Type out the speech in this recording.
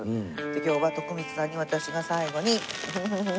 今日は徳光さんに私が最後にフフフフ。